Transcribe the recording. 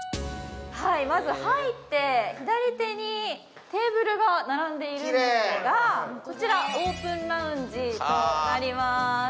まず入って左手にテーブルが並んでいるんですが、こちらオープンラウンジとなります。